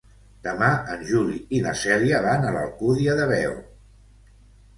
Demà en Juli i na Cèlia van a l'Alcúdia de Veo.